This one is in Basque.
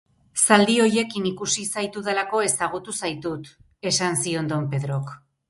Zaldi horiekin ikusi zaitudalako ezagutu zaitut, esan zion don Pedrok.